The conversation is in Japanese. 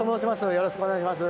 よろしくお願いします。